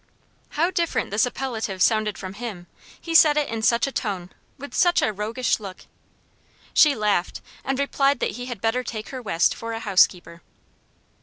How different this appellative sounded from him; he said it in such a tone, with such a rogueish look! She laughed, and replied that he had better take her West for a housekeeper.